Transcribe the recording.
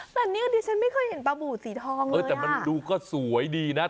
แต่เนี่ยดิฉันไม่เคยเห็นปลาบูสีทองนะเออแต่มันดูก็สวยดีนะ